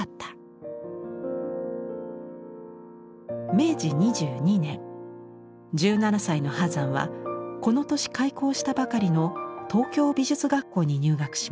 明治２２年１７歳の波山はこの年開校したばかりの東京美術学校に入学します。